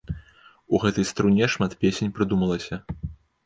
У гэтай струне шмат песень прыдумалася.